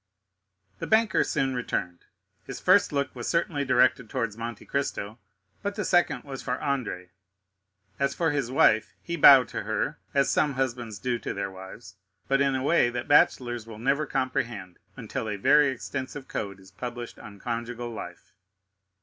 The banker soon returned. His first look was certainly directed towards Monte Cristo, but the second was for Andrea. As for his wife, he bowed to her, as some husbands do to their wives, but in a way that bachelors will never comprehend, until a very extensive code is published on conjugal life.